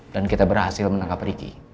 dan kita berhasil menangkap ricky